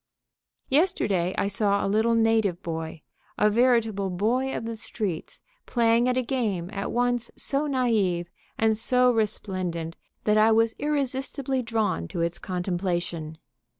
"_ Yesterday I saw a little native boy, a veritable boy of the streets, playing at a game at once so naïve and so resplendent that I was irresistibly drawn to its contemplation.